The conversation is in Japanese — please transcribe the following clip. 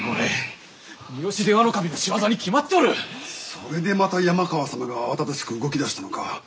それでまた山川様が慌ただしく動きだしたのか。